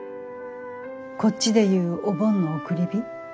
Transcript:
こっちで言うお盆の送り火。